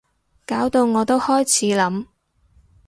搞到我都開始諗